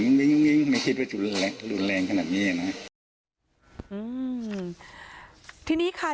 ยิ่งยิ่งยิ่งไม่คิดว่าจะรุนแรงรุนแรงขนาดนี้น่ะอืมทีนี้ค่ะ